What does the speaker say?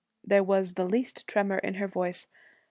There was the least tremor in her voice.